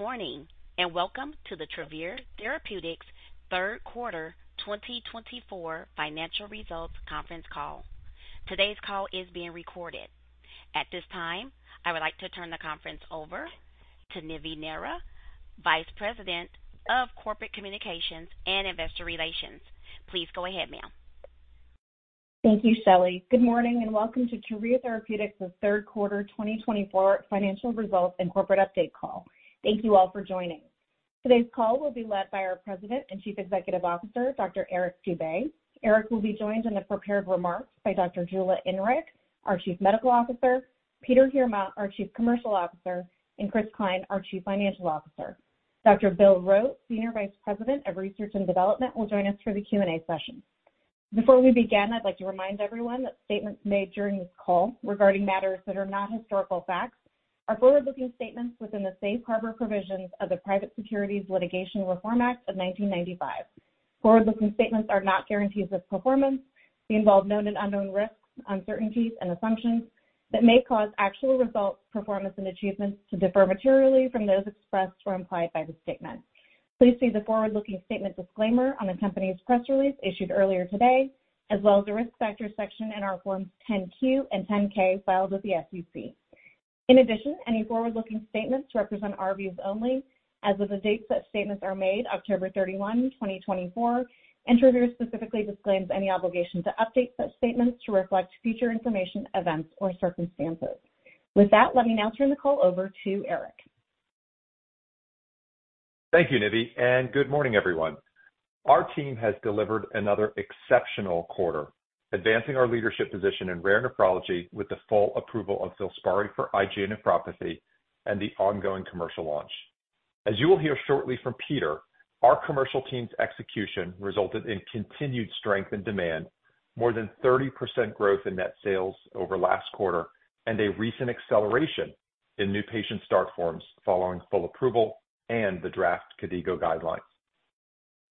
Good morning and welcome to the Travere Therapeutics third quarter 2024 financial results conference call. Today's call is being recorded. At this time, I would like to turn the conference over to Nivi Nehra, Vice President of Corporate Communications and Investor Relations. Please go ahead, ma'am. Thank you, Shelley. Good morning and welcome to Travere Therapeutics' third quarter 2024 financial results and corporate update call. Thank you all for joining. Today's call will be led by our President and Chief Executive Officer, Dr. Eric Dube. Eric will be joined in the prepared remarks by Dr. Jula Inrig, our Chief Medical Officer, Peter Heerma, our Chief Commercial Officer, and Chris Cline, our Chief Financial Officer. Dr. Bill Rote, Senior Vice President of Research and Development, will join us for the Q&A session. Before we begin, I'd like to remind everyone that statements made during this call regarding matters that are not historical facts are forward-looking statements within the Safe Harbor Provisions of the Private Securities Litigation Reform Act of 1995. Forward-looking statements are not guarantees of performance. They involve known and unknown risks, uncertainties, and assumptions that may cause actual results, performance, and achievements to differ materially from those expressed or implied by the statement. Please see the forward-looking statement disclaimer on the company's press release issued earlier today, as well as the risk factor section in our Forms 10-Q and 10-K filed with the SEC. In addition, any forward-looking statements represent our views only as of the date such statements are made, October 31, 2024. The Company specifically disclaims any obligation to update such statements to reflect future information, events, or circumstances. With that, let me now turn the call over to Eric. Thank you, Nivi, and good morning, everyone. Our team has delivered another exceptional quarter, advancing our leadership position in rare nephrology with the full approval of FILSPARI for IgA nephropathy and the ongoing commercial launch. As you will hear shortly from Peter, our commercial team's execution resulted in continued strength and demand, more than 30% growth in net sales over last quarter, and a recent acceleration in new patient start forms following full approval and the draft KDIGO guidelines.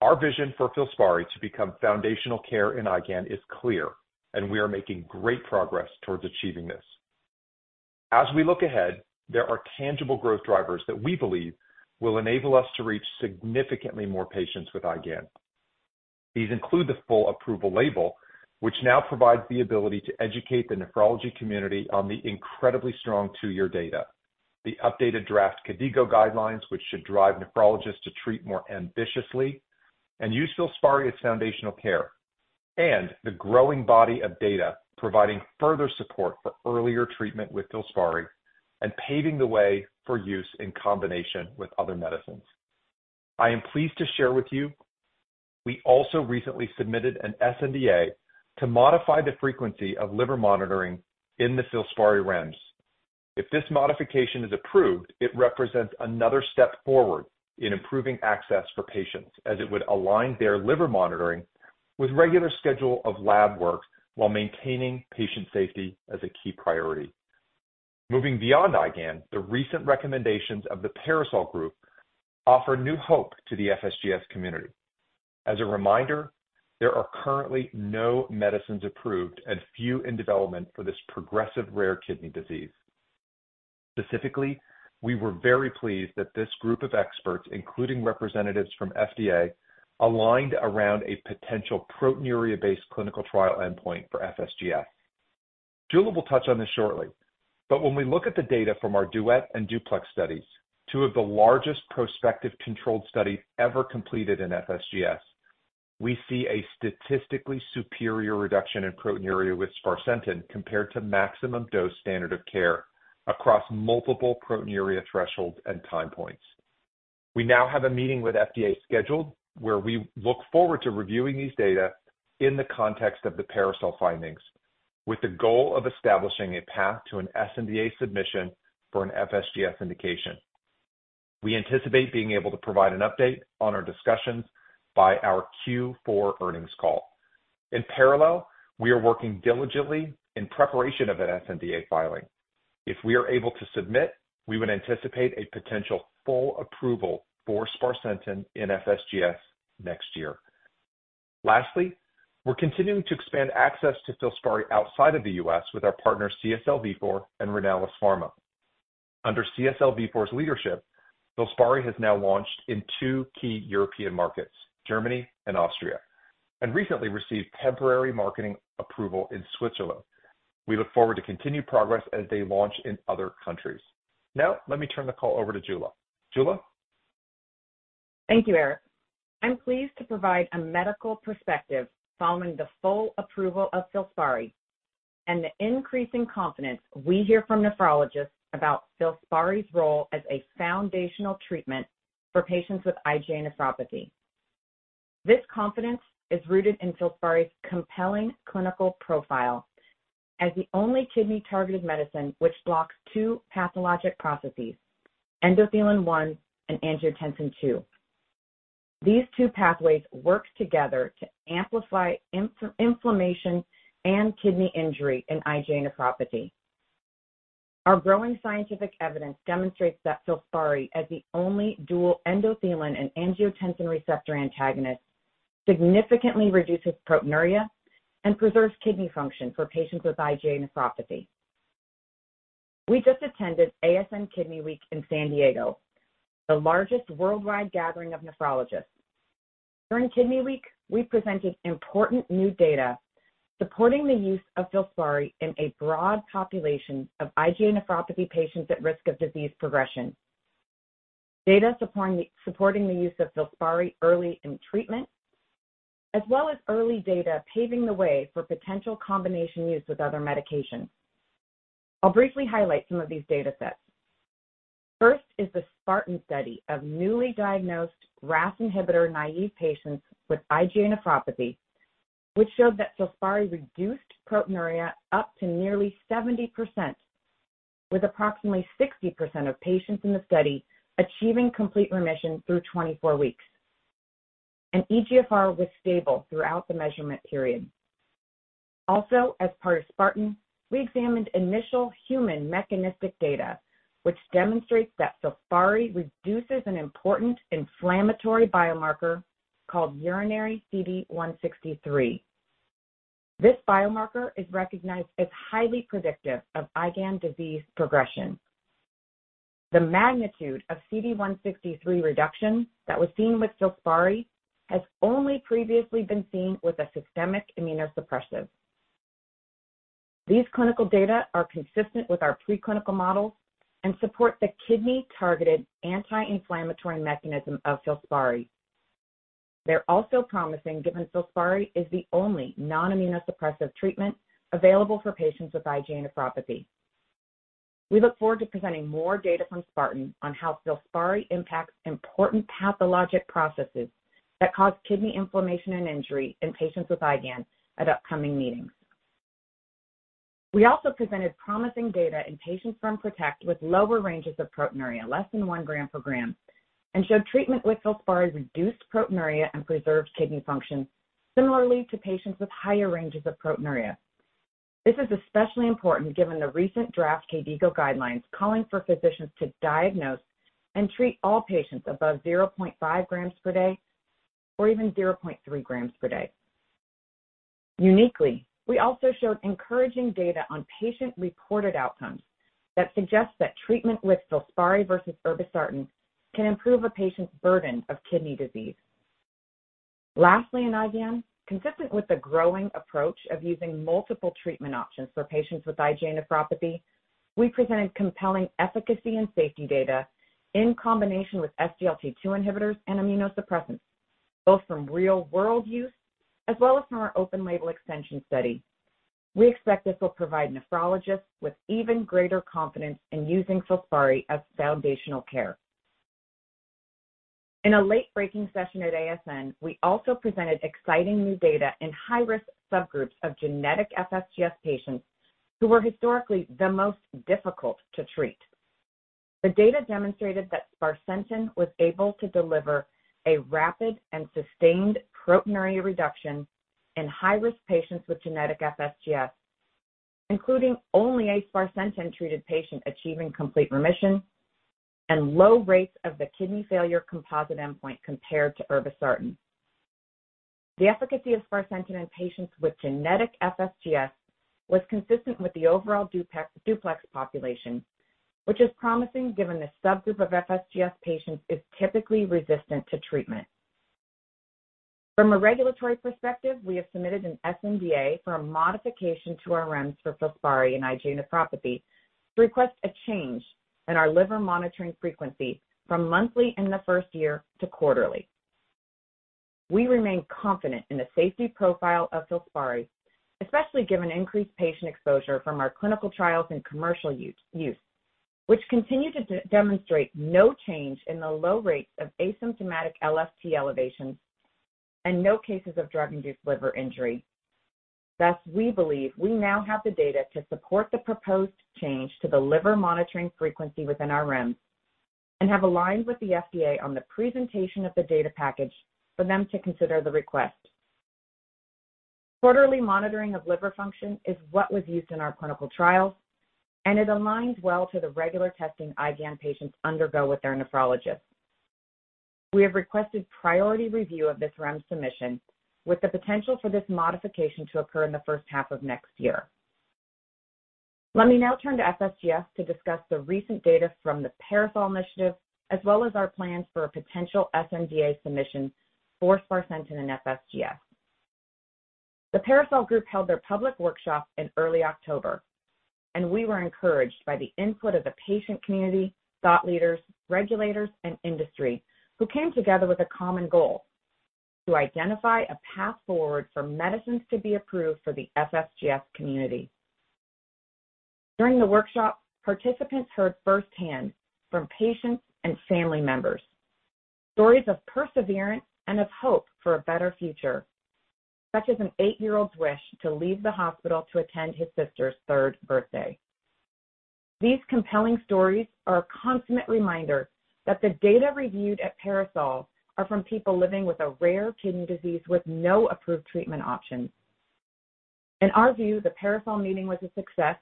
Our vision for FILSPARI to become foundational care in IgA nephropathy is clear, and we are making great progress towards achieving this. As we look ahead, there are tangible growth drivers that we believe will enable us to reach significantly more patients with IgA nephropathy. These include the full approval label, which now provides the ability to educate the nephrology community on the incredibly strong two-year data. The updated draft KDIGO guidelines, which should drive nephrologists to treat more ambitiously and use FILSPARI as foundational care. And the growing body of data providing further support for earlier treatment with FILSPARI and paving the way for use in combination with other medicines. I am pleased to share with you we also recently submitted an sNDA to modify the frequency of liver monitoring in the FILSPARI REMS. If this modification is approved, it represents another step forward in improving access for patients, as it would align their liver monitoring with a regular schedule of lab work while maintaining patient safety as a key priority. Moving beyond IgA nephropathy, the recent recommendations of the PARASOL Group offer new hope to the FSGS community. As a reminder, there are currently no medicines approved and few in development for this progressive rare kidney disease. Specifically, we were very pleased that this group of experts, including representatives from FDA, aligned around a potential proteinuria-based clinical trial endpoint for FSGS. Jula will touch on this shortly, but when we look at the data from our DUET and DUPLEX studies, two of the largest prospective controlled studies ever completed in FSGS, we see a statistically superior reduction in proteinuria with sparsentan compared to maximum dose standard of care across multiple proteinuria thresholds and time points. We now have a meeting with FDA scheduled where we look forward to reviewing these data in the context of the PARASOL findings, with the goal of establishing a path to an sNDA submission for an FSGS indication. We anticipate being able to provide an update on our discussions by our Q4 earnings call. In parallel, we are working diligently in preparation of an sNDA filing. If we are able to submit, we would anticipate a potential full approval for sparsentan in FSGS next year. Lastly, we're continuing to expand access to FILSPARI outside of the U.S. with our partners CSL Vifor and Renalis Pharma. Under CSL Vifor's leadership, FILSPARI has now launched in two key European markets, Germany and Austria, and recently received temporary marketing approval in Switzerland. We look forward to continued progress as they launch in other countries. Now, let me turn the call over to Jula. Jula? Thank you, Eric. I'm pleased to provide a medical perspective following the full approval of FILSPARI and the increasing confidence we hear from nephrologists about FILSPARI's role as a foundational treatment for patients with IgA nephropathy. This confidence is rooted in FILSPARI's compelling clinical profile as the only kidney-targeted medicine which blocks two pathologic processes, endothelin-1 and angiotensin II. These two pathways work together to amplify inflammation and kidney injury in IgA nephropathy. Our growing scientific evidence demonstrates that FILSPARI, as the only dual endothelin and angiotensin receptor antagonist, significantly reduces proteinuria and preserves kidney function for patients with IgA nephropathy. We just attended ASN Kidney Week in San Diego, the largest worldwide gathering of nephrologists. During Kidney Week, we presented important new data supporting the use of FILSPARI in a broad population of IgA nephropathy patients at risk of disease progression, data supporting the use of FILSPARI early in treatment, as well as early data paving the way for potential combination use with other medications. I'll briefly highlight some of these data sets. First is the SPARTAN study of newly diagnosed RAS inhibitor naïve patients with IgA nephropathy, which showed that FILSPARI reduced proteinuria up to nearly 70%, with approximately 60% of patients in the study achieving complete remission through 24 weeks, and eGFR was stable throughout the measurement period. Also, as part of SPARTAN, we examined initial human mechanistic data, which demonstrates that FILSPARI reduces an important inflammatory biomarker called urinary CD163. This biomarker is recognized as highly predictive of IgA nephropathy disease progression. The magnitude of CD163 reduction that was seen with FILSPARI has only previously been seen with a systemic immunosuppressive. These clinical data are consistent with our preclinical models and support the kidney-targeted anti-inflammatory mechanism of FILSPARI. They're also promising given FILSPARI is the only non-immunosuppressive treatment available for patients with IgA nephropathy. We look forward to presenting more data from SPARTAN on how FILSPARI impacts important pathologic processes that cause kidney inflammation and injury in patients with IgA nephropathy at upcoming meetings. We also presented promising data in patients from PROTECT with lower ranges of proteinuria, less than one gram per gram, and showed treatment with FILSPARI reduced proteinuria and preserved kidney function similarly to patients with higher ranges of proteinuria. This is especially important given the recent draft KDIGO guidelines calling for physicians to diagnose and treat all patients above 0.5 grams per day or even 0.3 grams per day. Uniquely, we also showed encouraging data on patient-reported outcomes that suggest that treatment with FILSPARI versus irbesartan can improve a patient's burden of kidney disease. Lastly, in IgA nephropathy, consistent with the growing approach of using multiple treatment options for patients with IgA nephropathy, we presented compelling efficacy and safety data in combination with SGLT2 inhibitors and immunosuppressants, both from real-world use as well as from our open-label extension study. We expect this will provide nephrologists with even greater confidence in using FILSPARI as foundational care. In a late-breaking session at ASN, we also presented exciting new data in high-risk subgroups of genetic FSGS patients who were historically the most difficult to treat. The data demonstrated that sparsentan was able to deliver a rapid and sustained proteinuria reduction in high-risk patients with genetic FSGS, including only a sparsentan-treated patient achieving complete remission and low rates of the kidney failure composite endpoint compared to irbesartan. The efficacy of sparsentan in patients with genetic FSGS was consistent with the overall DUPLEX population, which is promising given the subgroup of FSGS patients is typically resistant to treatment. From a regulatory perspective, we have submitted an sNDA for a modification to our REMS for FILSPARI in IgA nephropathy to request a change in our liver monitoring frequency from monthly in the first year to quarterly. We remain confident in the safety profile of FILSPARI, especially given increased patient exposure from our clinical trials and commercial use, which continue to demonstrate no change in the low rates of asymptomatic LFT elevations and no cases of drug-induced liver injury. Thus, we believe we now have the data to support the proposed change to the liver monitoring frequency within our REMS and have aligned with the FDA on the presentation of the data package for them to consider the request. Quarterly monitoring of liver function is what was used in our clinical trials, and it aligns well to the regular testing IgA patients undergo with their nephrologists. We have requested priority review of this REMS submission with the potential for this modification to occur in the first half of next year. Let me now turn to FSGS to discuss the recent data from the PARASOL Initiative as well as our plans for a potential sNDA submission for sparsentan in FSGS. The PARASOL Group held their public workshop in early October, and we were encouraged by the input of the patient community, thought leaders, regulators, and industry who came together with a common goal: to identify a path forward for medicines to be approved for the FSGS community. During the workshop, participants heard firsthand from patients and family members stories of perseverance and of hope for a better future, such as an eight-year-old's wish to leave the hospital to attend his sister's third birthday. These compelling stories are a consummate reminder that the data reviewed at PARASOL are from people living with a rare kidney disease with no approved treatment options. In our view, the PARASOL meeting was a success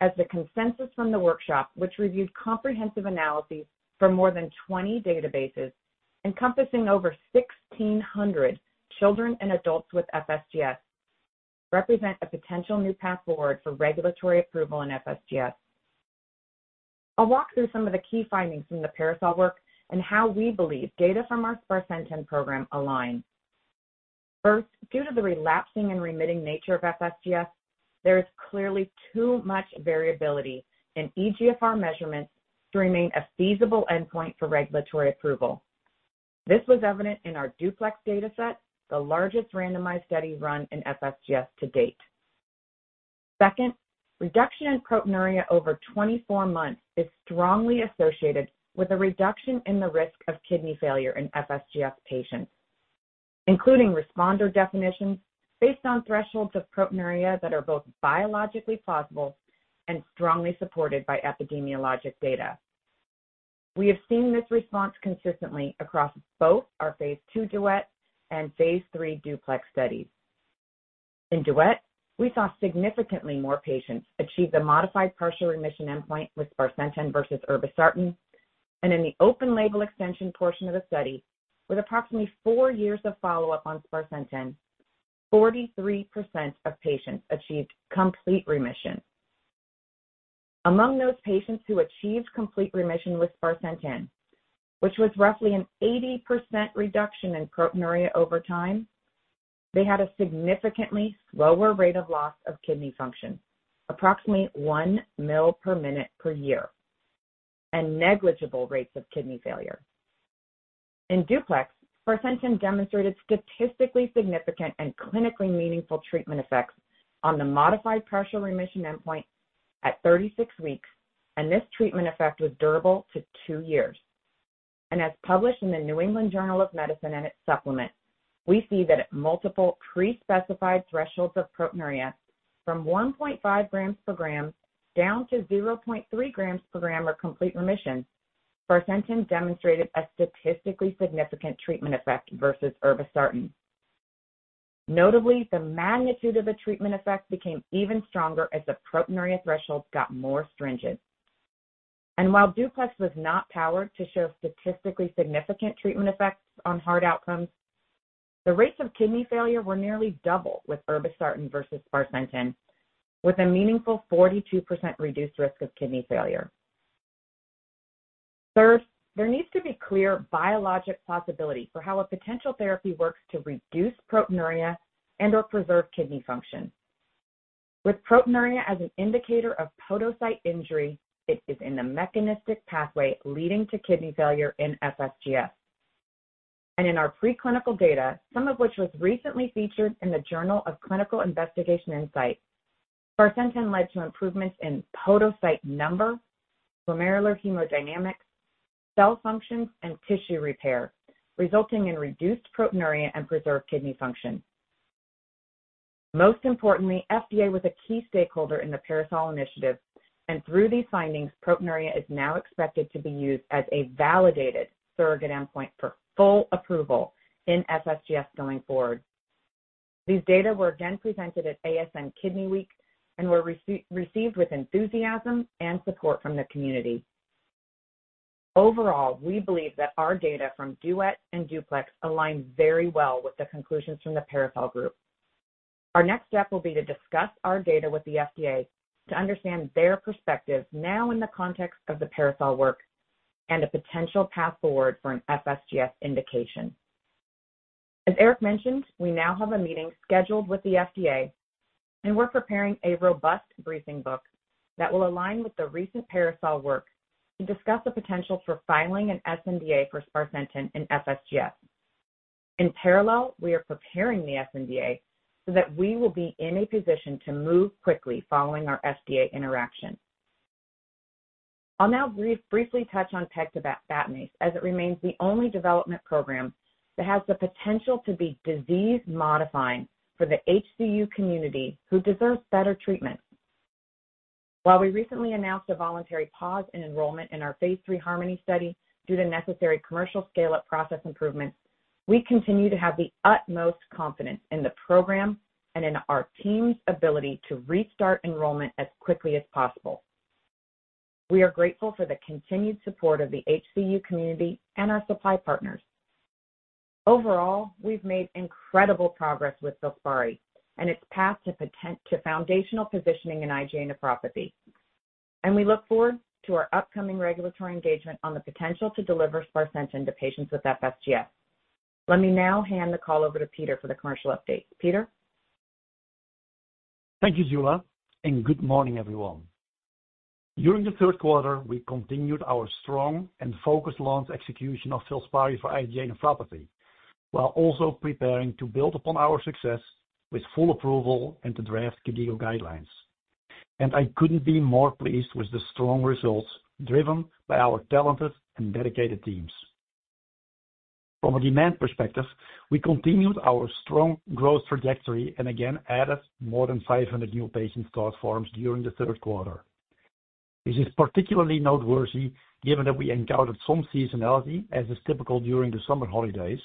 as the consensus from the workshop, which reviewed comprehensive analyses from more than 20 databases encompassing over 1,600 children and adults with FSGS, represents a potential new path forward for regulatory approval in FSGS. I'll walk through some of the key findings from the PARASOL work and how we believe data from our sparsentan program align. First, due to the relapsing and remitting nature of FSGS, there is clearly too much variability in eGFR measurements to remain a feasible endpoint for regulatory approval. This was evident in our DUPLEX data set, the largest randomized study run in FSGS to date. Second, reduction in proteinuria over 24 months is strongly associated with a reduction in the risk of kidney failure in FSGS patients, including responder definitions based on thresholds of proteinuria that are both biologically plausible and strongly supported by epidemiologic data. We have seen this response consistently across both our phase 2 DUET and phase 3 DUPLEX studies. In DUET, we saw significantly more patients achieve the modified partial remission endpoint with sparsentan versus irbesartan, and in the open-label extension portion of the study, with approximately four years of follow-up on sparsentan, 43% of patients achieved complete remission. Among those patients who achieved complete remission with sparsentan, which was roughly an 80% reduction in proteinuria over time, they had a significantly slower rate of loss of kidney function, approximately 1 ml per minute per year, and negligible rates of kidney failure. In DUPLEX, sparsentan demonstrated statistically significant and clinically meaningful treatment effects on the modified partial remission endpoint at 36 weeks, and this treatment effect was durable to two years. As published in the New England Journal of Medicine and its supplement, we see that at multiple pre-specified thresholds of proteinuria from 1.5 grams per gram down to 0.3 grams per gram or complete remission, sparsentan demonstrated a statistically significant treatment effect versus irbesartan. Notably, the magnitude of the treatment effect became even stronger as the proteinuria thresholds got more stringent. While DUPLEX was not powered to show statistically significant treatment effects on hard outcomes, the rates of kidney failure were nearly double with irbesartan versus sparsentan, with a meaningful 42% reduced risk of kidney failure. Third, there needs to be clear biological plausibility for how a potential therapy works to reduce proteinuria and/or preserve kidney function. With proteinuria as an indicator of podocyte injury, it is in the mechanistic pathway leading to kidney failure in FSGS. In our preclinical data, some of which was recently featured in the Journal of Clinical Investigation Insight, sparsentan led to improvements in podocyte number, glomerular hemodynamics, cell functions, and tissue repair, resulting in reduced proteinuria and preserved kidney function. Most importantly, FDA was a key stakeholder in the PARASOL Initiative, and through these findings, proteinuria is now expected to be used as a validated surrogate endpoint for full approval in FSGS going forward. These data were again presented at ASN Kidney Week and were received with enthusiasm and support from the community. Overall, we believe that our data from DUET and DUPLEX align very well with the conclusions from the PARASOL Group. Our next step will be to discuss our data with the FDA to understand their perspectives now in the context of the PARASOL work and a potential path forward for an FSGS indication. As Eric mentioned, we now have a meeting scheduled with the FDA, and we're preparing a robust briefing book that will align with the recent PARASOL work to discuss the potential for filing an SNDA for Sparsentan in FSGS. In parallel, we are preparing the SNDA so that we will be in a position to move quickly following our FDA interaction. I'll now briefly touch on pegtibatinase as it remains the only development program that has the potential to be disease-modifying for the HCU community who deserves better treatment. While we recently announced a voluntary pause in enrollment in our phase 3 HARMONY study due to necessary commercial scale-up process improvements, we continue to have the utmost confidence in the program and in our team's ability to restart enrollment as quickly as possible. We are grateful for the continued support of the HCU community and our supply partners. Overall, we've made incredible progress with FILSPARI and its path to foundational positioning in IgA nephropathy, and we look forward to our upcoming regulatory engagement on the potential to deliver sparsentan to patients with FSGS. Let me now hand the call over to Peter for the commercial update. Peter. Thank you, Jula, and good morning, everyone. During the third quarter, we continued our strong and focused launch execution of FILSPARI for IgA nephropathy while also preparing to build upon our success with full approval and to draft KDIGO guidelines. And I couldn't be more pleased with the strong results driven by our talented and dedicated teams. From a demand perspective, we continued our strong growth trajectory and again added more than 500 new patients to our forms during the third quarter. This is particularly noteworthy given that we encountered some seasonality, as is typical during the summer holidays,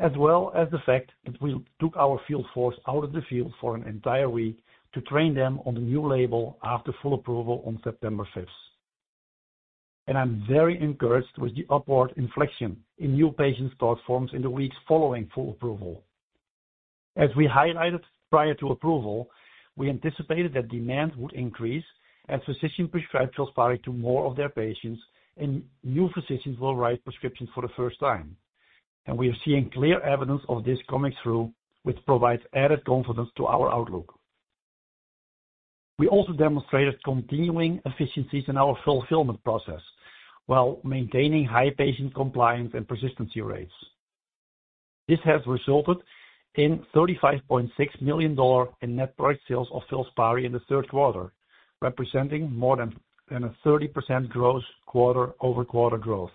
as well as the fact that we took our field force out of the field for an entire week to train them on the new label after full approval on September 5th. And I'm very encouraged with the upward inflection in new patient starts in the weeks following full approval. As we highlighted prior to approval, we anticipated that demand would increase as physicians prescribe FILSPARI to more of their patients and new physicians will write prescriptions for the first time. And we are seeing clear evidence of this coming through, which provides added confidence to our outlook. We also demonstrated continuing efficiencies in our fulfillment process while maintaining high patient compliance and persistency rates. This has resulted in $35.6 million in net product sales of FILSPARI in the third quarter, representing more than a 30% gross quarter-over-quarter growth.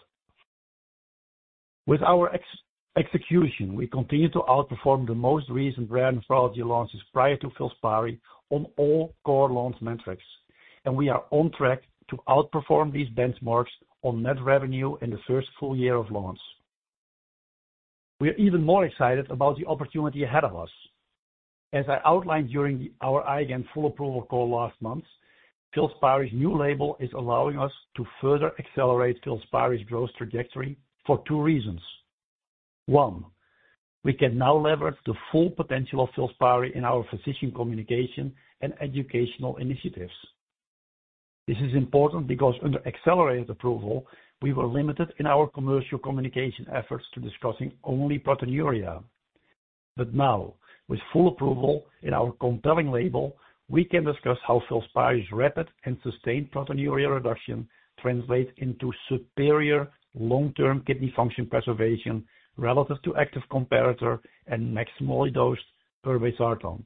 With our execution, we continue to outperform the most recent rare nephrology launches prior to FILSPARI on all core launch metrics, and we are on track to outperform these benchmarks on net revenue in the first full year of launch. We are even more excited about the opportunity ahead of us. As I outlined during our IgAN full approval call last month, FILSPARI's new label is allowing us to further accelerate FILSPARI's growth trajectory for two reasons. One, we can now leverage the full potential of FILSPARI in our physician communication and educational initiatives. This is important because under accelerated approval, we were limited in our commercial communication efforts to discussing only proteinuria. But now, with full approval in our compelling label, we can discuss how FILSPARI's rapid and sustained proteinuria reduction translates into superior long-term kidney function preservation relative to active comparator and maximally dosed irbesartan.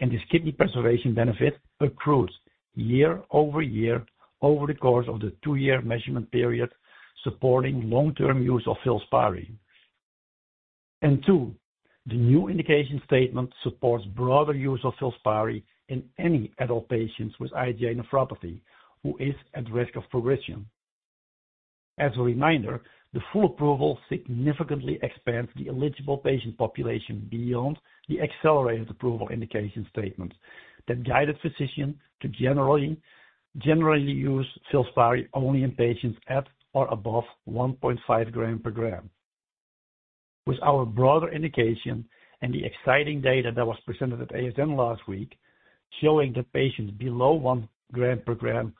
And this kidney preservation benefit accrues year over year over the course of the two-year measurement period, supporting long-term use of FILSPARI. And two, the new indication statement supports broader use of FILSPARI in any adult patients with IgA nephropathy who is at risk of progression. As a reminder, the full approval significantly expands the eligible patient population beyond the accelerated approval indication statement that guided physicians to generally use FILSPARI only in patients at or above 1.5 gram per gram. With our broader indication and the exciting data that was presented at ASN last week showing that patients below one gram per gram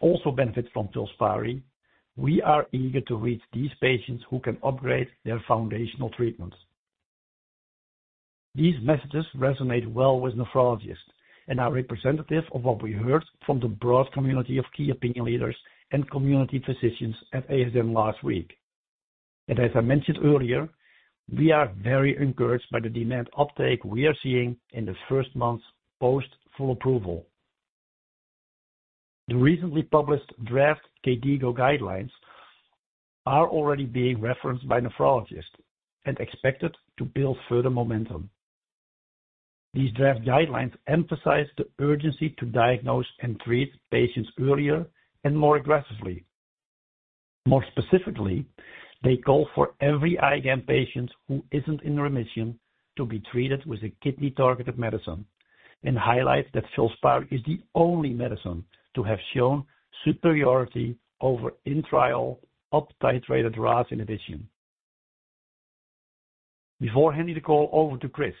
also benefit from FILSPARI, we are eager to reach these patients who can upgrade their foundational treatments. These messages resonate well with nephrologists and are representative of what we heard from the broad community of key opinion leaders and community physicians at ASN last week, and as I mentioned earlier, we are very encouraged by the demand uptake we are seeing in the first months post full approval. The recently published draft KDIGO guidelines are already being referenced by nephrologists and expected to build further momentum. These draft guidelines emphasize the urgency to diagnose and treat patients earlier and more aggressively. More specifically, they call for every IgA nephropathy patient who isn't in remission to be treated with a kidney-targeted medicine and highlight that FILSPARI is the only medicine to have shown superiority over in-trial up-titrated RAS inhibition. Before handing the call over to Chris,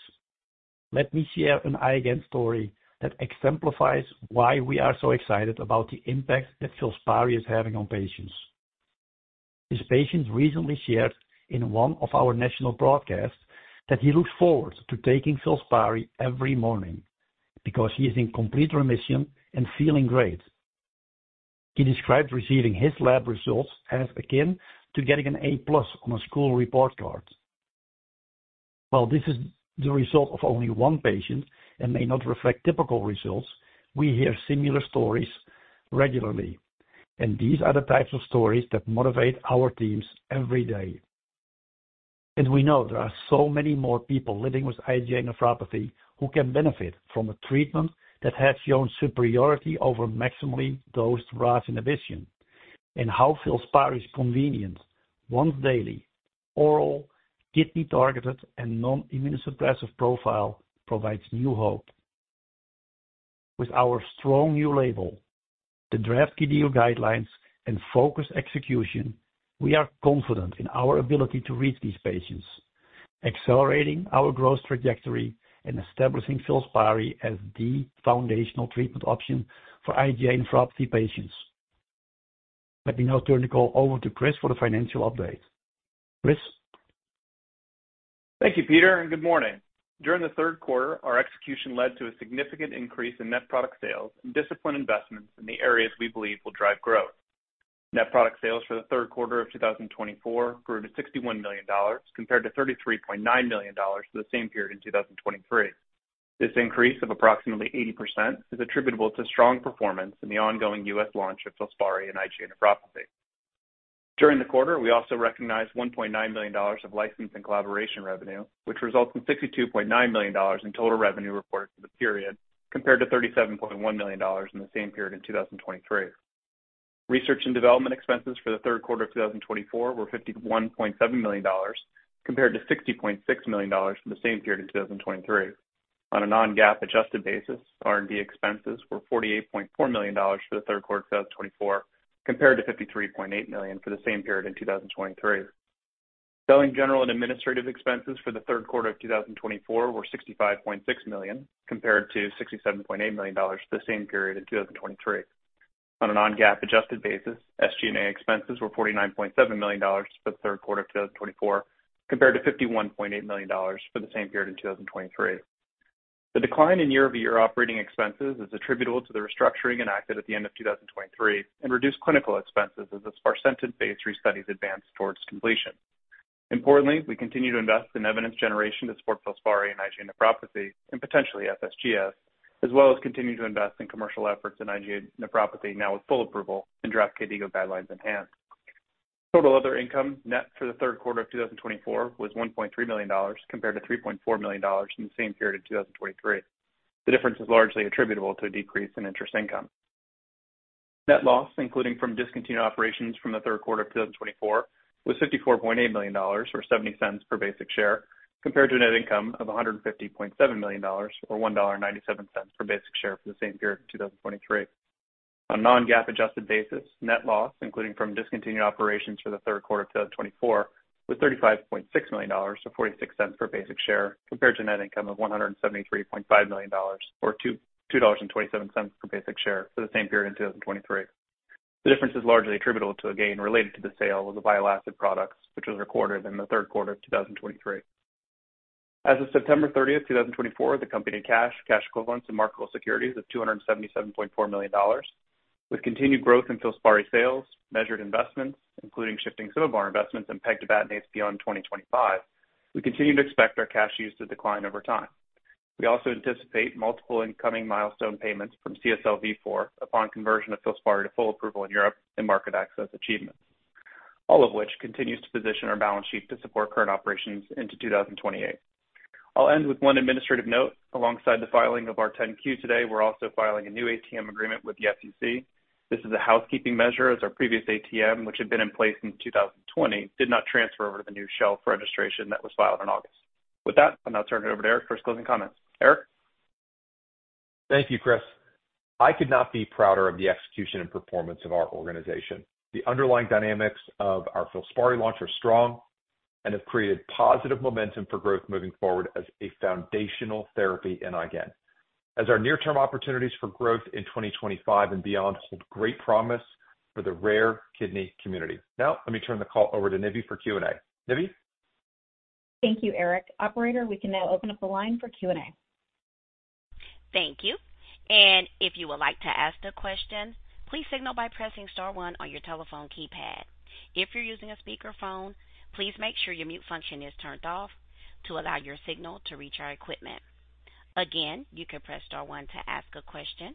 let me share an IgA nephropathy story that exemplifies why we are so excited about the impact that FILSPARI is having on patients. This patient recently shared in one of our national broadcasts that he looks forward to taking FILSPARI every morning because he is in complete remission and feeling great. He described receiving his lab results as akin to getting an A plus on a school report card. While this is the result of only one patient and may not reflect typical results, we hear similar stories regularly, and these are the types of stories that motivate our teams every day. We know there are so many more people living with IgA nephropathy who can benefit from a treatment that has shown superiority over maximally dosed RAS inhibition, and how FILSPARI's convenient once daily oral kidney-targeted and non-immunosuppressive profile provides new hope. With our strong new label, the draft KDIGO guidelines, and focused execution, we are confident in our ability to reach these patients, accelerating our growth trajectory and establishing FILSPARI as the foundational treatment option for IgA nephropathy patients. Let me now turn the call over to Chris for the financial update. Chris. Thank you, Peter, and good morning. During the third quarter, our execution led to a significant increase in net product sales and disciplined investments in the areas we believe will drive growth. Net product sales for the third quarter of 2024 grew to $61 million compared to $33.9 million for the same period in 2023. This increase of approximately 80% is attributable to strong performance in the ongoing U.S. launch of FILSPARI in IgA nephropathy. During the quarter, we also recognized $1.9 million of license and collaboration revenue, which results in $62.9 million in total revenue reported for the period compared to $37.1 million in the same period in 2023. Research and development expenses for the third quarter of 2024 were $51.7 million compared to $60.6 million for the same period in 2023. On a non-GAAP adjusted basis, R&D expenses were $48.4 million for the third quarter of 2024 compared to $53.8 million for the same period in 2023. Selling general and administrative expenses for the third quarter of 2024 were $65.6 million compared to $67.8 million for the same period in 2023. On a non-GAAP adjusted basis, SG&A expenses were $49.7 million for the third quarter of 2024 compared to $51.8 million for the same period in 2023. The decline in year-over-year operating expenses is attributable to the restructuring enacted at the end of 2023 and reduced clinical expenses as the sparsentan phase 3 studies advanced towards completion. Importantly, we continue to invest in evidence generation to support FILSPARI in IgA nephropathy and potentially FSGS, as well as continue to invest in commercial efforts in IgA nephropathy now with full approval and draft KDIGO guidelines in hand. Total other income net for the third quarter of 2024 was $1.3 million compared to $3.4 million in the same period of 2023. The difference is largely attributable to a decrease in interest income. Net loss, including from discontinued operations from the third quarter of 2024, was $54.8 million or $0.70 per basic share compared to net income of $150.7 million or $1.97 per basic share for the same period of 2023. On a non-GAAP adjusted basis, net loss, including from discontinued operations for the third quarter of 2024, was $35.6 million or $0.46 per basic share compared to net income of $173.5 million or $2.27 per basic share for the same period in 2023. The difference is largely attributable to a gain related to the sale of the bile acid products, which was recorded in the third quarter of 2023. As of September 30th, 2024, the company's cash, cash equivalents, and marketable securities of $277.4 million. With continued growth in FILSPARI sales, measured investments, including shifting some of our investments in pegtibatinase beyond 2025, we continue to expect our cash use to decline over time. We also anticipate multiple incoming milestone payments from CSL Vifor upon conversion of FILSPARI to full approval in Europe and market access achievement, all of which continues to position our balance sheet to support current operations into 2028. I'll end with one administrative note. Alongside the filing of our 10Q today, we're also filing a new ATM agreement with the SEC. This is a housekeeping measure as our previous ATM, which had been in place since 2020, did not transfer over to the new shelf registration that was filed in August. With that, I'll now turn it over to Eric for his closing comments. Eric. Thank you, Chris. I could not be prouder of the execution and performance of our organization. The underlying dynamics of our FILSPARI launch are strong and have created positive momentum for growth moving forward as a foundational therapy in IgA nephropathy, as our near-term opportunities for growth in 2025 and beyond hold great promise for the rare kidney community. Now, let me turn the call over to Nivi for Q&A. Nivi. Thank you, Eric. Operator, we can now open up the line for Q&A. Thank you, and if you would like to ask a question, please signal by pressing star one on your telephone keypad. If you're using a speakerphone, please make sure your mute function is turned off to allow your signal to reach our equipment. Again, you can press star one to ask a question.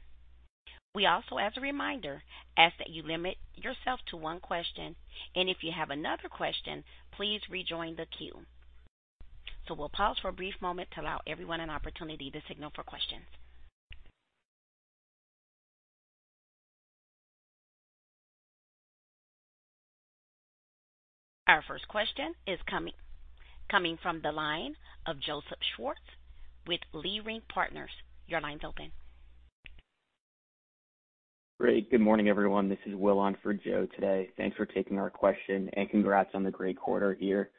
We also, as a reminder, ask that you limit yourself to one question. And if you have another question, please rejoin the queue. So we'll pause for a brief moment to allow everyone an opportunity to signal for questions. Our first question is coming from the line of Joseph Schwartz with Leerink Partners. Your line's open. Great. Good morning, everyone. This is Will on for Joe today. Thanks for taking our question and congrats on the great quarter here.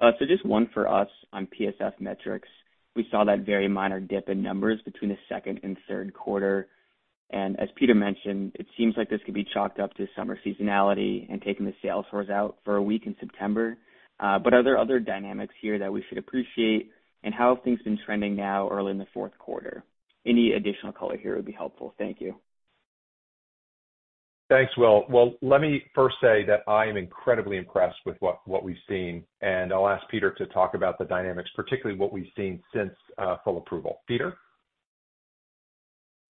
So just one for us on PSF metrics. We saw that very minor dip in numbers between the second and third quarter. And as Peter mentioned, it seems like this could be chalked up to summer seasonality and taking the sales force out for a week in September. But are there other dynamics here that we should appreciate? And how have things been trending now early in the fourth quarter? Any additional color here would be helpful. Thank you. Thanks, Will. Well, let me first say that I am incredibly impressed with what we've seen. And I'll ask Peter to talk about the dynamics, particularly what we've seen since full approval. Peter?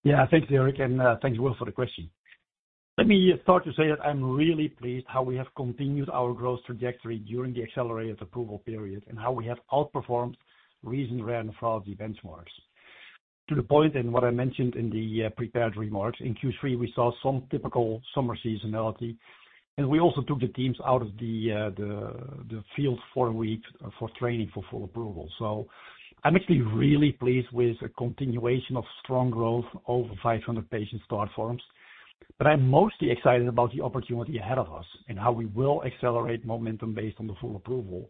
Yeah, thanks, Eric. And thanks, Will, for the question. Let me start to say that I'm really pleased how we have continued our growth trajectory during the accelerated approval period and how we have outperformed recent rare nephrology benchmarks to the point in what I mentioned in the prepared remarks. In Q3, we saw some typical summer seasonality, and we also took the teams out of the field for a week for training for full approval. So I'm actually really pleased with a continuation of strong growth over 500 patient start forms. But I'm mostly excited about the opportunity ahead of us and how we will accelerate momentum based on the full approval.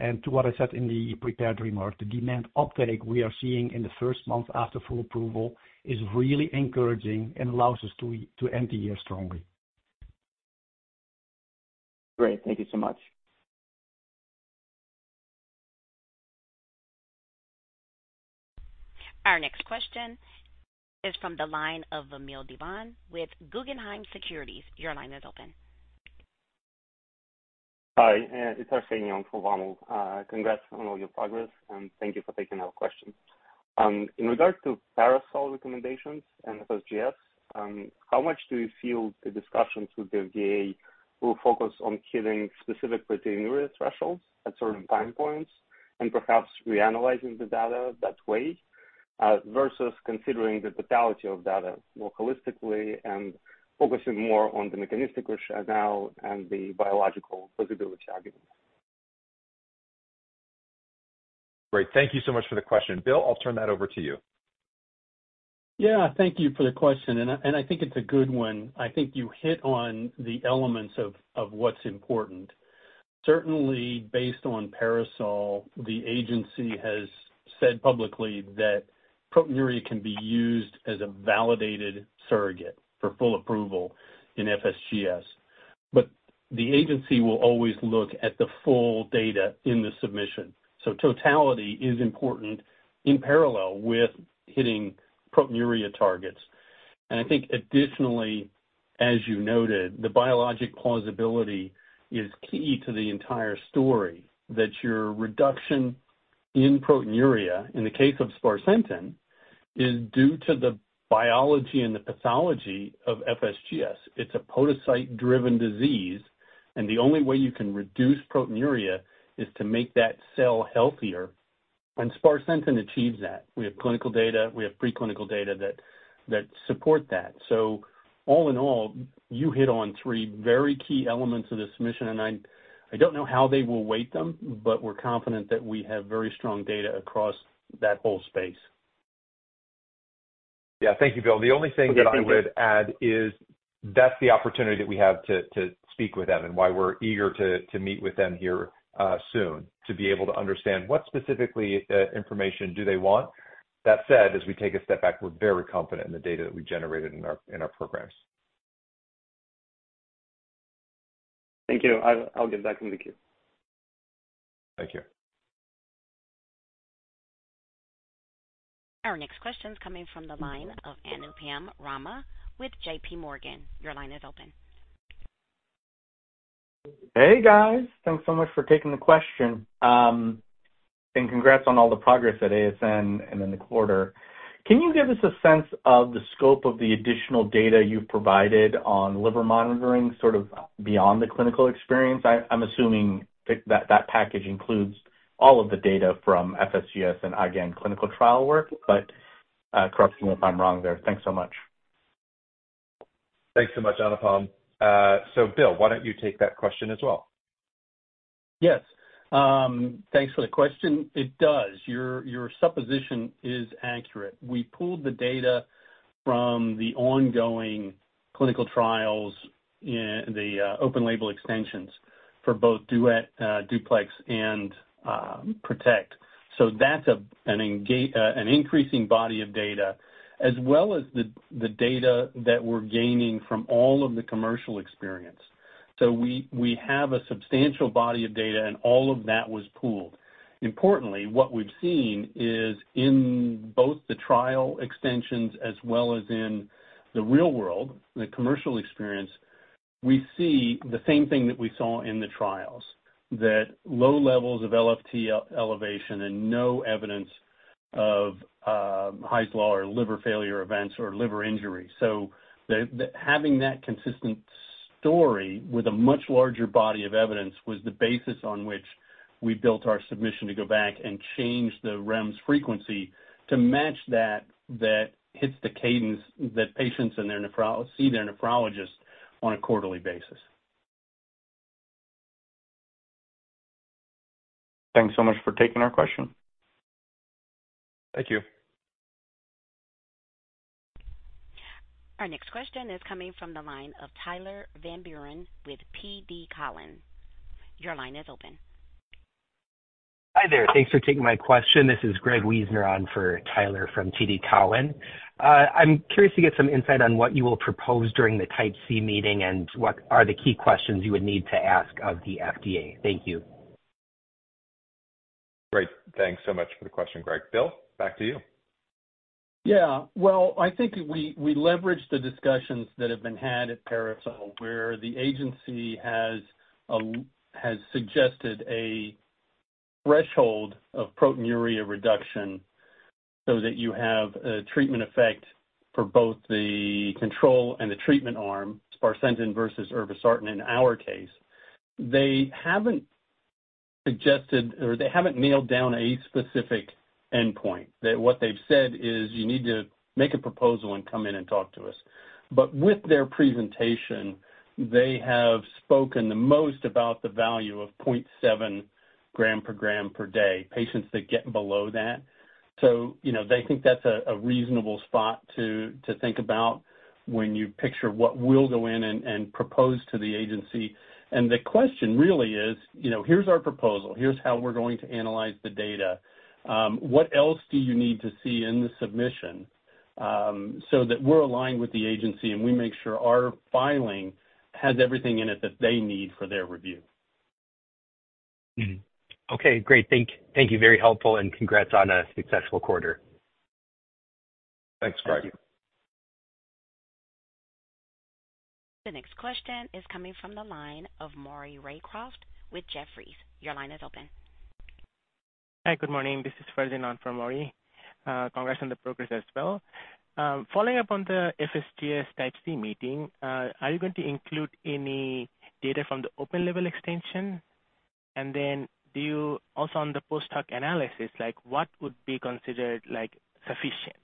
To what I said in the prepared remark, the demand uptake we are seeing in the first month after full approval is really encouraging and allows us to end the year strongly. Great. Thank you so much. Our next question is from the line of Vamil Divan with Guggenheim Securities. Your line is open. Hi, it's Arsenio from Vamil. Congrats on all your progress, and thank you for taking our questions. In regard to PARASOL recommendations and FSGS, how much do you feel the discussions with the FDA will focus on setting specific proteinuria thresholds at certain time points and perhaps reanalyzing the data that way versus considering the totality of data more holistically and focusing more on the mechanistic rationale and the biological plausibility argument? Great. Thank you so much for the question. Bill, I'll turn that over to you. Yeah, thank you for the question. I think it's a good one. I think you hit on the elements of what's important. Certainly, based on PARASOL, the agency has said publicly that proteinuria can be used as a validated surrogate for full approval in FSGS. But the agency will always look at the full data in the submission. So totality is important in parallel with hitting proteinuria targets. And I think additionally, as you noted, the biologic plausibility is key to the entire story that your reduction in proteinuria in the case of sparsentan is due to the biology and the pathology of FSGS. It's a podocyte-driven disease, and the only way you can reduce proteinuria is to make that cell healthier. And sparsentan achieves that. We have clinical data. We have preclinical data that support that. So all in all, you hit on three very key elements of this mission, and I don't know how they will weigh them, but we're confident that we have very strong data across that whole space. Yeah, thank you, Bill. The only thing that I would add is that's the opportunity that we have to speak with them and why we're eager to meet with them here soon to be able to understand what specifically information do they want. That said, as we take a step back, we're very confident in the data that we generated in our programs. Thank you. I'll get back on the queue. Thank you. Our next question is coming from the line of Anupam Rama with J.P. Morgan. Your line is open. Hey, guys. Thanks so much for taking the question. And congrats on all the progress at ASN and in the quarter. Can you give us a sense of the scope of the additional data you've provided on liver monitoring sort of beyond the clinical experience? I'm assuming that package includes all of the data from FSGS and again, clinical trial work, but correct me if I'm wrong there. Thanks so much. Thanks so much, Anupam. So Bill, why don't you take that question as well? Yes. Thanks for the question. It does. Your supposition is accurate. We pulled the data from the ongoing clinical trials in the open label extensions for both DUET, DUPLEX, and PROTECT. So that's an increasing body of data as well as the data that we're gaining from all of the commercial experience. So we have a substantial body of data, and all of that was pooled. Importantly, what we've seen is in both the trial extensions as well as in the real world, the commercial experience, we see the same thing that we saw in the trials: low levels of LFT elevation and no evidence of Hy's Law or liver failure events or liver injury. So having that consistent story with a much larger body of evidence was the basis on which we built our submission to go back and change the REMS frequency to match that that hits the cadence that patients see their nephrologist on a quarterly basis. Thanks so much for taking our question. Thank you. Our next question is coming from the line of Tyler Van Buren with TD Cowen. Your line is open. Hi there. Thanks for taking my question. This is Greg Wiessner on for Tyler from TD Cowen. I'm curious to get some insight on what you will propose during the Type C meeting and what are the key questions you would need to ask of the FDA. Thank you. Great. Thanks so much for the question, Greg. Bill, back to you. Yeah. Well, I think we leveraged the discussions that have been had at PARASOL, where the agency has suggested a threshold of proteinuria reduction so that you have a treatment effect for both the control and the treatment arm, sparsentan versus irbesartan in our case. They haven't suggested or they haven't nailed down a specific endpoint. What they've said is you need to make a proposal and come in and talk to us. But with their presentation, they have spoken the most about the value of 0.7 gram per gram per day, patients that get below that. So they think that's a reasonable spot to think about when you picture what will go in and propose to the agency. And the question really is, here's our proposal. Here's how we're going to analyze the data. What else do you need to see in the submission so that we're aligned with the agency and we make sure our filing has everything in it that they need for their review? Okay. Great. Thank you. Very helpful. And congrats on a successful quarter. Thanks, Greg. The next question is coming from the line of Maury Raycroft with Jefferies. Your line is open. Hi, good morning. This is Ferdinand from Maury. Congrats on the progress as well. Following up on the FSGS Type C meeting, are you going to include any data from the open-label extension? And then also on the post-hoc analysis, what would be considered sufficient?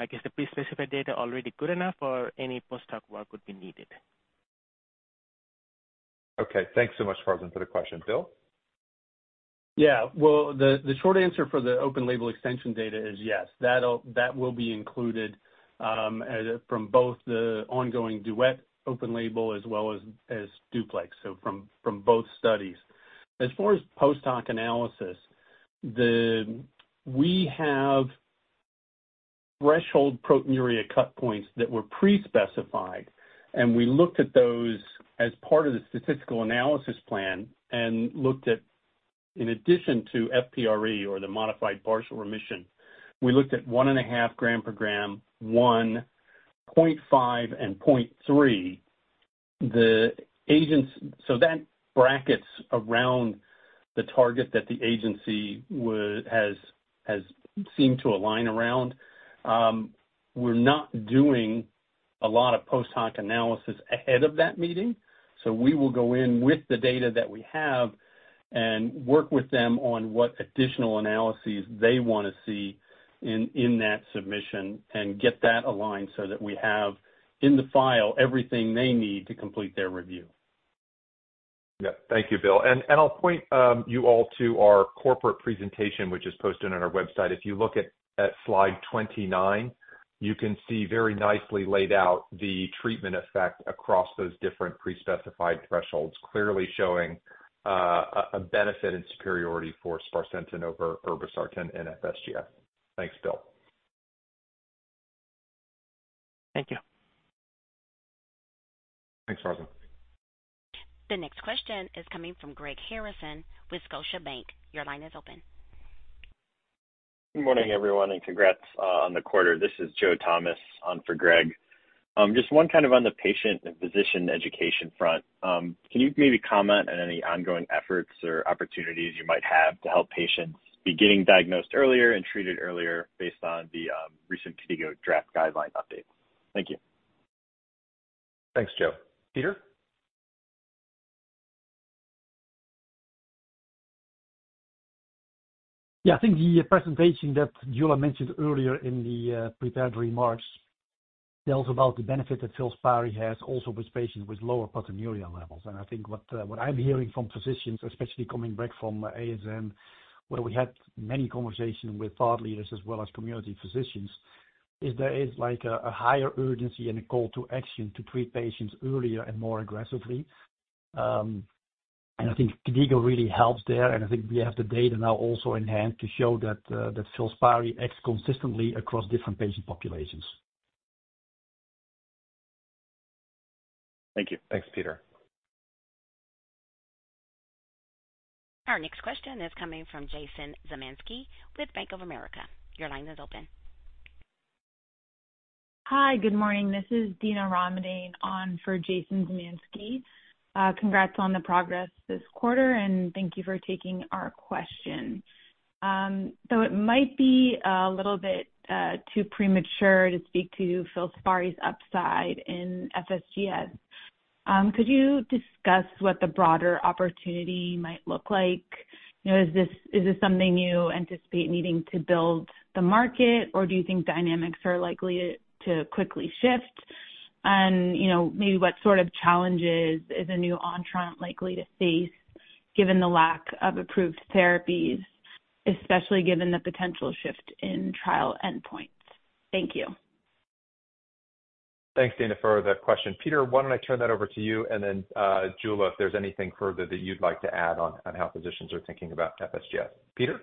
Is the pre-specified data already good enough, or any post-hoc work would be needed? Okay. Thanks so much, Ferdinand, for the question. Bill? Yeah. Well, the short answer for the open label extension data is yes. That will be included from both the ongoing DUET open label as well as DUPLEX, so from both studies. As far as post-hoc analysis, we have threshold proteinuria cut points that were pre-specified, and we looked at those as part of the statistical analysis plan and looked at, in addition to FPRE or the modified partial remission, we looked at 1.5 gram per gram, 1.5, and 0.3. So that brackets around the target that the agency has seemed to align around. We're not doing a lot of post-hoc analysis ahead of that meeting. We will go in with the data that we have and work with them on what additional analyses they want to see in that submission and get that aligned so that we have in the file everything they need to complete their review. Yeah. Thank you, Bill. I'll point you all to our corporate presentation, which is posted on our website. If you look at slide 29, you can see very nicely laid out the treatment effect across those different pre-specified thresholds, clearly showing a benefit and superiority for sparsentan over irbesartan in FSGS. Thanks, Bill. Thank you. Thanks. The next question is coming from Greg Harrison with Scotiabank. Your line is open. Good morning, everyone, and congrats on the quarter. This is Joe Thomas on for Greg. Just one kind of on the patient and physician education front. Can you maybe comment on any ongoing efforts or opportunities you might have to help patients be getting diagnosed earlier and treated earlier based on the recent KDIGO draft guideline updates? Thank you. Thanks, Joe. Peter? Yeah. I think the presentation that Jula mentioned earlier in the prepared remarks, they're also about the benefit that FILSPARI has also with patients with lower proteinuria levels. And I think what I'm hearing from physicians, especially coming back from ASN, where we had many conversations with thought leaders as well as community physicians, is there is a higher urgency and a call to action to treat patients earlier and more aggressively. And I think KDIGO really helps there. And I think we have the data now also in hand to show that FILSPARI acts consistently across different patient populations. Thank you. Thanks, Peter. Our next question is coming from Jason Zemansky with Bank of America. Your line is open. Hi, good morning. This is Dina Ramadane on for Jason Zemansky. Congrats on the progress this quarter, and thank you for taking our question. So it might be a little bit too premature to speak to FILSPARI's upside in FSGS. Could you discuss what the broader opportunity might look like? Is this something you anticipate needing to build the market, or do you think dynamics are likely to quickly shift? And maybe what sort of challenges is a new entrant likely to face given the lack of approved therapies, especially given the potential shift in trial endpoints? Thank you. Thanks, Dina, for the question. Peter, why don't I turn that over to you, and then Jula, if there's anything further that you'd like to add on how physicians are thinking about FSGS? Peter?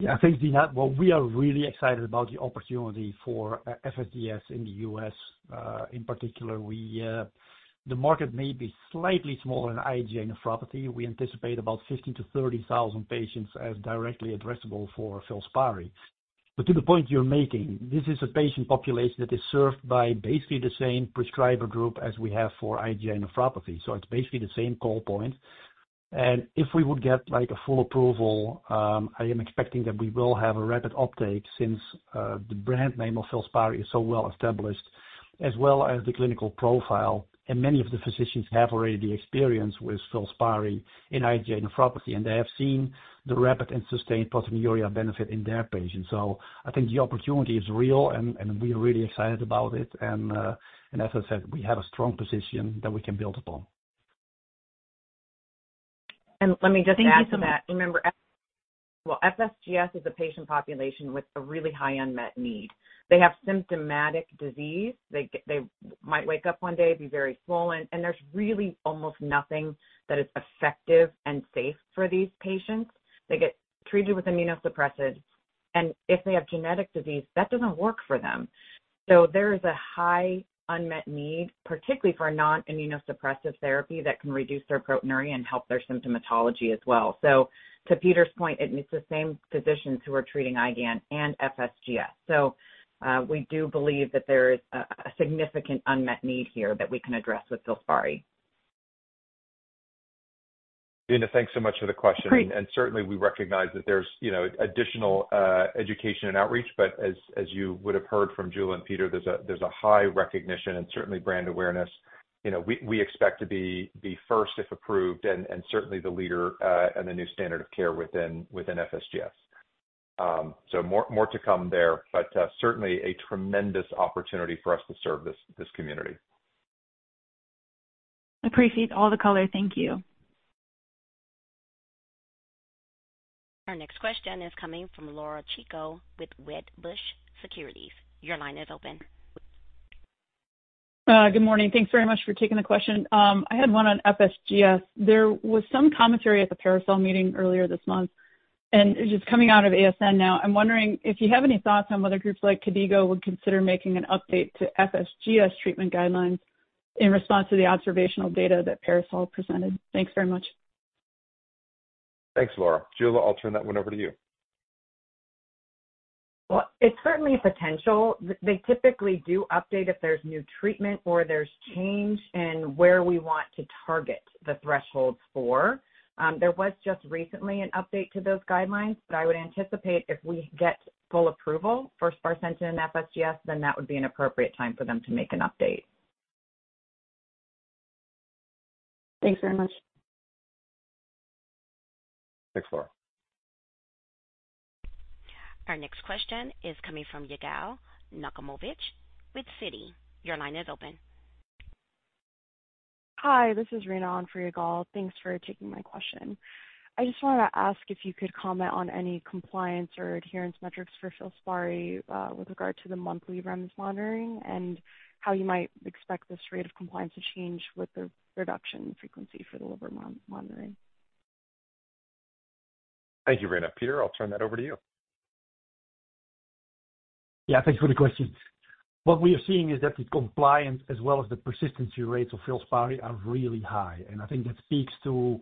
Yeah. Thanks, Dina. Well, we are really excited about the opportunity for FSGS in the U.S. In particular, the market may be slightly smaller in IgA nephropathy. We anticipate about 15,000-30,000 patients as directly addressable for FILSPARI. But to the point you're making, this is a patient population that is served by basically the same prescriber group as we have for IgA nephropathy. So it's basically the same call point. And if we would get a full approval, I am expecting that we will have a rapid uptake since the brand name of FILSPARI is so well established as well as the clinical profile. And many of the physicians have already the experience with FILSPARI in IgA nephropathy, and they have seen the rapid and sustained proteinuria benefit in their patients. So I think the opportunity is real, and we are really excited about it and as I said, we have a strong position that we can build upon. And let me just add to that. Remember, well, FSGS is a patient population with a really high unmet need. They have symptomatic disease. They might wake up one day, be very swollen, and there's really almost nothing that is effective and safe for these patients. They get treated with immunosuppressants, and if they have genetic disease, that doesn't work for them. So there is a high unmet need, particularly for non-immunosuppressive therapy that can reduce their proteinuria and help their symptomatology as well. So to Peter's point, it's the same physicians who are treating IgA and FSGS. So we do believe that there is a significant unmet need here that we can address with FILSPARI. Dina, thanks so much for the question. Certainly, we recognize that there's additional education and outreach, but as you would have heard from Jula and Peter, there's a high recognition and certainly brand awareness. We expect to be first if approved and certainly the leader and the new standard of care within FSGS. More to come there, but certainly a tremendous opportunity for us to serve this community. Appreciate all the color. Thank you. Our next question is coming from Laura Chico with Wedbush Securities. Your line is open. Good morning. Thanks very much for taking the question. I had one on FSGS. There was some commentary at the PARASOL meeting earlier this month, and it's just coming out of ASN now. I'm wondering if you have any thoughts on whether groups like KDIGO would consider making an update to FSGS treatment guidelines in response to the observational data that PARASOL presented. Thanks very much. Thanks, Laura. Jula, I'll turn that one over to you. Well, it's certainly a potential. They typically do update if there's new treatment or there's change in where we want to target the thresholds for. There was just recently an update to those guidelines, but I would anticipate if we get full approval for sparsentan and FSGS, then that would be an appropriate time for them to make an update. Thanks very much. Thanks, Laura. Our next question is coming from Yigal Nochomovitz with Citi. Your line is open. Hi, this is Rena on for Yigal. Thanks for taking my question. I just wanted to ask if you could comment on any compliance or adherence metrics for FILSPARI with regard to the monthly REMS monitoring and how you might expect this rate of compliance to change with the reduction frequency for the liver monitoring. Thank you, Rena. Peter, I'll turn that over to you. Yeah. Thanks for the question. What we are seeing is that the compliance as well as the persistency rates of FILSPARI are really high. And I think that speaks to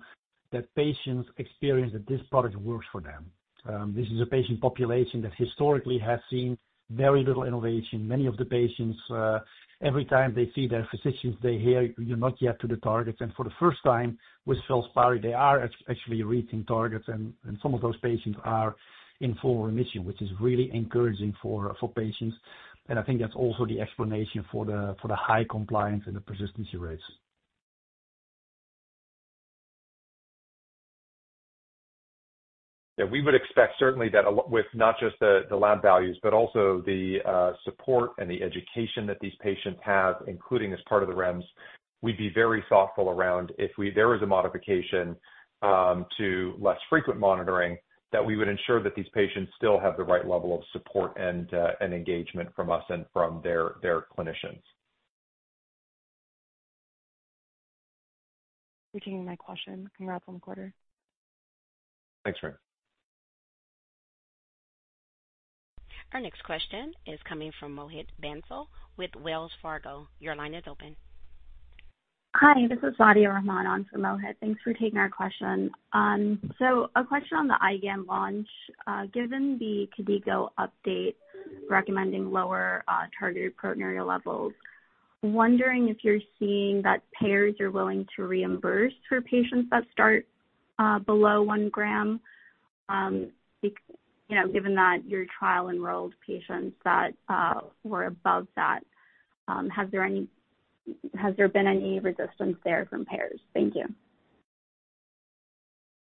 that patients experience that this product works for them. This is a patient population that historically has seen very little innovation. Many of the patients, every time they see their physicians, they hear, "You're not yet to the targets." And for the first time with FILSPARI, they are actually reaching targets, and some of those patients are in full remission, which is really encouraging for patients. And I think that's also the explanation for the high compliance and the persistency rates. We would expect certainly that with not just the lab values, but also the support and the education that these patients have, including as part of the REMS, we'd be very thoughtful around if there is a modification to less frequent monitoring, that we would ensure that these patients still have the right level of support and engagement from us and from their clinicians. Repeating my question. Congrats on the quarter. Thanks, Rena. Our next question is coming from Mohit Bansal with Wells Fargo. Your line is open. Hi, this is Fadia Raman on for Mohit. Thanks for taking our question. So a question on the IgA launch. Given the KDIGO update recommending lower targeted proteinuria levels, wondering if you're seeing that payers are willing to reimburse for patients that start below 1 gram, given that your trial-enrolled patients that were above that, has there been any resistance there from payers? Thank you.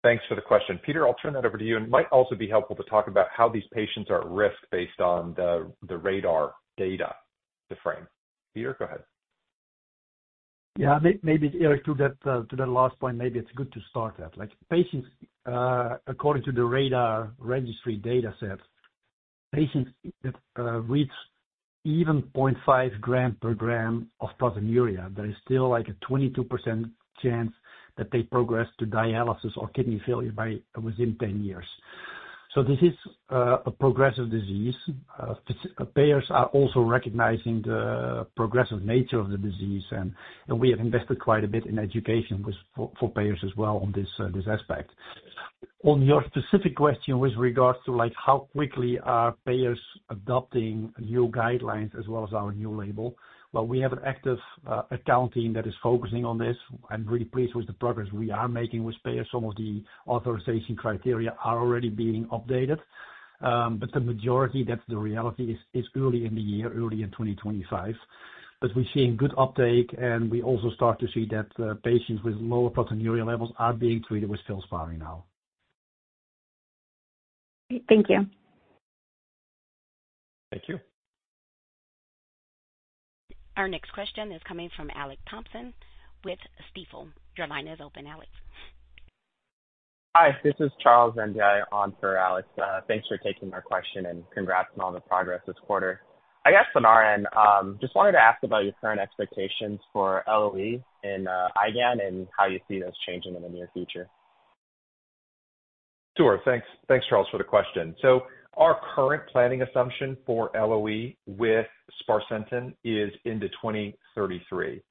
Thanks for the question. Peter, I'll turn that over to you. It might also be helpful to talk about how these patients are at risk based on the RaDaR data frame. Peter, go ahead. Yeah. Maybe to that last point, maybe it's good to start that. According to the RaDaR registry dataset, patients that reach even 0.5 gram per gram of proteinuria, there is still a 22% chance that they progress to dialysis or kidney failure within 10 years. So this is a progressive disease. Payers are also recognizing the progressive nature of the disease, and we have invested quite a bit in education for payers as well on this aspect. On your specific question with regards to how quickly are payers adopting new guidelines as well as our new label, well, we have an active account team that is focusing on this. I'm really pleased with the progress we are making with payers. Some of the authorization criteria are already being updated. But the majority, that's the reality, is early in the year, early in 2025. But we're seeing good uptake, and we also start to see that patients with lower proteinuria levels are being treated with FILSPARI now. Thank you. Thank you. Our next question is coming from Alex Thompson with Stifel. Your line is open, Alex. Hi, this is Charles Vande on for Alex. Thanks for taking our question and congrats on all the progress this quarter. I guess on our end, just wanted to ask about your current expectations for LOE in IgA and how you see those changing in the near future. Sure. Thanks, Charles, for the question. So our current planning assumption for LOE with sparsentan is into 2033.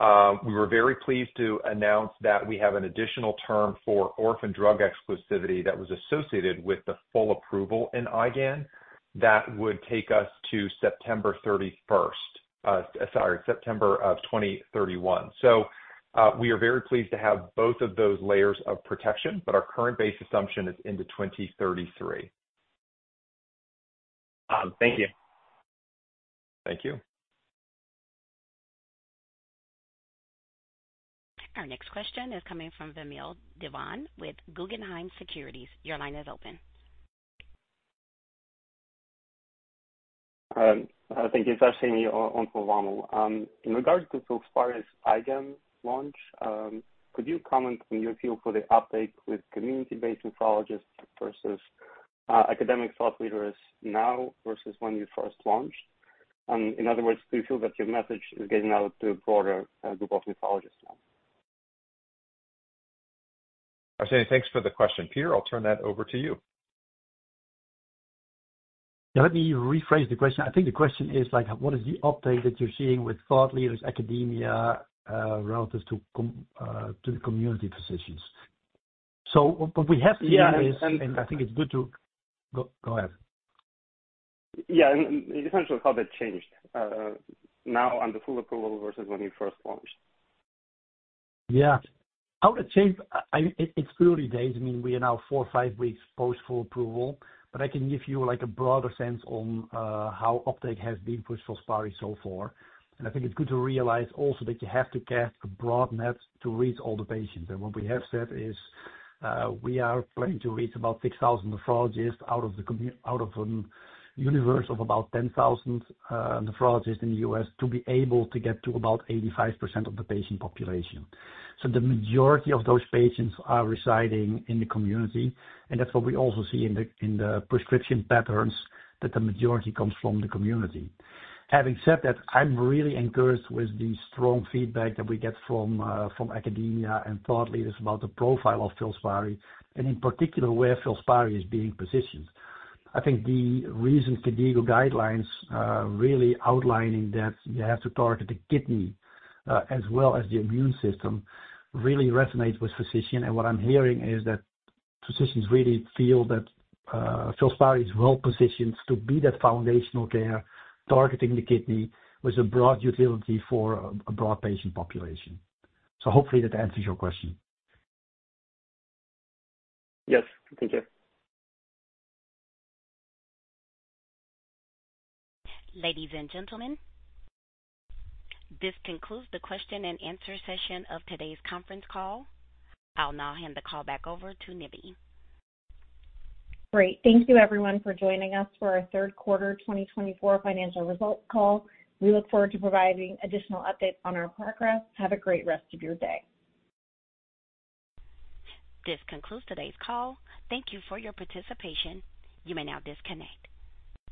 We were very pleased to announce that we have an additional term for orphan drug exclusivity that was associated with the full approval in IgA that would take us to September 31st, sorry, September of 2031. So we are very pleased to have both of those layers of protection, but our current base assumption is into 2033. Thank you. Thank you. Our next question is coming from Vamil Divan with Guggenheim Securities. Your line is open. Hi, thank you. It's Ashley on for Vamil. In regards to FILSPARI's IgA launch, could you comment on your view for the update with community-based nephrologists versus academic thought leaders now versus when you first launched? In other words, do you feel that your message is getting out to a broader group of nephrologists now? Ashley, thanks for the question. Peter, I'll turn that over to you. Let me rephrase the question. I think the question is, what is the update that you're seeing with thought leaders, academia, relative to the community physicians? So what we have seen is, and I think it's good to. go ahead. Yeah. In terms of how that changed now under full approval versus when you first launched. Yeah. How it changed, it's clearly days. I mean, we are now four or five weeks post full approval, but I can give you a broader sense on how update has been for FILSPARI so far, and I think it's good to realize also that you have to cast a broad net to reach all the patients, and what we have said is we are planning to reach about 6,000 nephrologists out of a universe of about 10,000 nephrologists in the U.S. to be able to get to about 85% of the patient population. So the majority of those patients are residing in the community, and that's what we also see in the prescription patterns that the majority comes from the community. Having said that, I'm really encouraged with the strong feedback that we get from academia and thought leaders about the profile of FILSPARI and in particular where FILSPARI is being positioned. I think the recent KDIGO guidelines really outlining that you have to target the kidney as well as the immune system really resonates with physicians, and what I'm hearing is that physicians really feel that FILSPARI is well positioned to be that foundational care, targeting the kidney with a broad utility for a broad patient population, so hopefully that answers your question. Yes. Thank you. Ladies and gentlemen, this concludes the question and answer session of today's conference call. I'll now hand the call back over to Nivi. Great. Thank you, everyone, for joining us for our third quarter 2024 financial results call. We look forward to providing additional updates on our progress. Have a great rest of your day. This concludes today's call. Thank you for your participation. You may now disconnect.